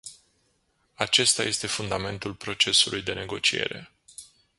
Acesta este fundamentul procesului de negociere.